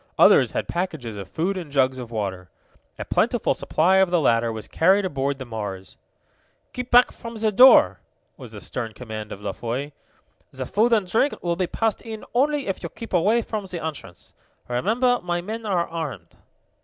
Others had packages of food and jugs of water. A plentiful supply of the latter was carried aboard the Mars. "Keep back from the door!" was the stern command of La Foy. "The food and drink will be passed in only if you keep away from the entrance. Remember my men are armed!"